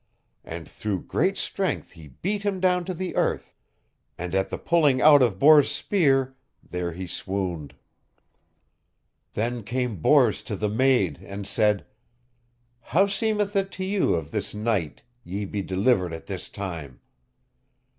And through great strength he beat him down to the earth, and at the pulling out of Bors' spear there he swooned. Then came Bors to the maid and said: How seemeth it to you of this knight ye be delivered at this time?